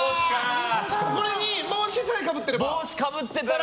これに帽子さえかぶってたら。